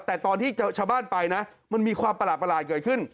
แต่ตอนที่ชาวบ้านไปนะมันมีความประหลาดเกิดขึ้น